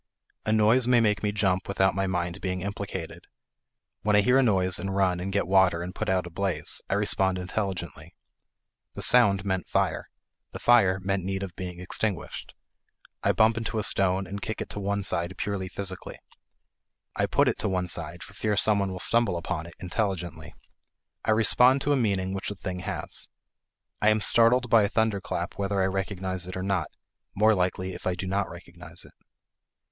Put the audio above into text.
A noise may make me jump without my mind being implicated. When I hear a noise and run and get water and put out a blaze, I respond intelligently; the sound meant fire, and fire meant need of being extinguished. I bump into a stone, and kick it to one side purely physically. I put it to one side for fear some one will stumble upon it, intelligently; I respond to a meaning which the thing has. I am startled by a thunderclap whether I recognize it or not more likely, if I do not recognize it.